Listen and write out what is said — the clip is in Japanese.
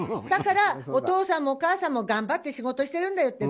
だから、お父さんもお母さんも頑張って仕事しているんだよ。